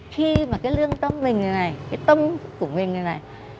khi mà cái lương tâm mình này này cái tâm của mình này này